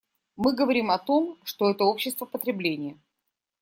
Мы говорим о том, что это общество потребления.